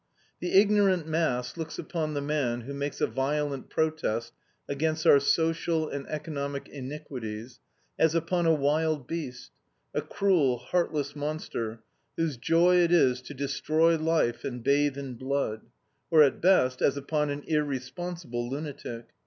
The ignorant mass looks upon the man who makes a violent protest against our social and economic iniquities as upon a wild beast, a cruel, heartless monster, whose joy it is to destroy life and bathe in blood; or at best, as upon an irresponsible lunatic.